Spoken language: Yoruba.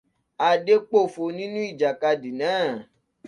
Adé pòfo nínú ìjàkadì náà.